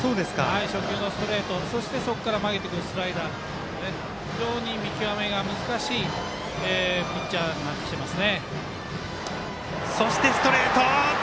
初球のストレート、そしてそこから曲げてくるスライダー非常に見極めが難しいピッチャーになってきてます。